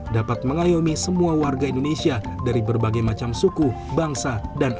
dapat mengayomi semua warga indonesia dari berbagai macam suku bangsa dan negara